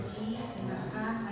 di melayu nata